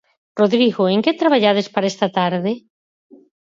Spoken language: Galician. Rodrigo, en que traballades para esta tarde?